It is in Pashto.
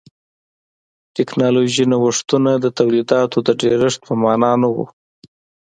ټکنالوژیکي نوښتونه د تولیداتو د ډېرښت په معنا نه و.